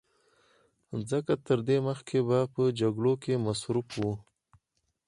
ځکه تر دې مخکې به په جګړو کې مصروف و